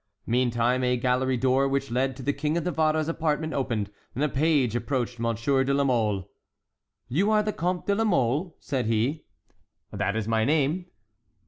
Meantime a gallery door which led to the King of Navarre's apartment opened, and a page approached Monsieur de la Mole. "You are the Comte de la Mole?" said he. "That is my name."